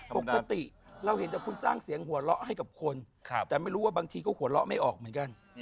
ปกติเราเห็นแต่คุณสร้างเสียงหัวเราะให้กับคนแต่ไม่รู้ว่าบางทีก็หัวเราะไม่ออกเหมือนกัน